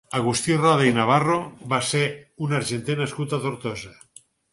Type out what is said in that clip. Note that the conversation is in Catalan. Agustí Roda i Navarro va ser un argenter nascut a Tortosa.